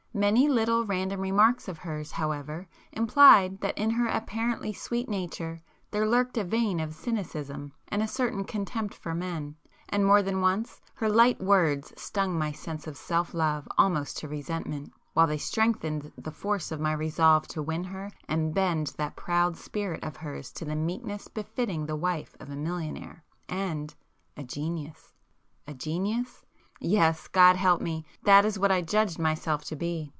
Many little random remarks of hers however implied that in her apparently sweet nature there lurked a vein of cynicism and a certain contempt for men, and more than once her light words stung my sense of self love almost to resentment, while they strengthened the force of my resolve to win her and bend that proud spirit of hers to the meekness befitting the wife of a millionaire and—a genius. A genius? Yes,—God help me!—that is what I judged myself to be.